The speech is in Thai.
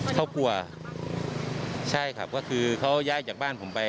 เขากลัวใช่ครับก็คือเขาย้ายจากบ้านผมไป